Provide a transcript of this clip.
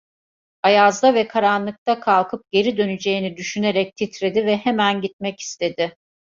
Ayazda ve karanlıkta kalkıp geri döneceğini düşünerek titredi ve hemen gitmek istedi.